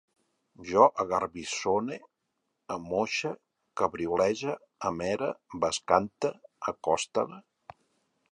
Jo agarbissone, amoixe, cabriolege, amere, bescante, acostale